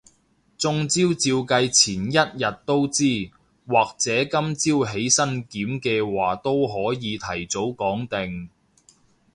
中招照計前一日都知，或者今朝起身驗嘅話都可以提早講定